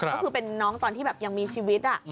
ก็คือเป็นน้องตอนที่แบบยังมีชีวิต